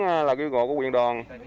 tưởng ứng là kêu gọi của quyền đoàn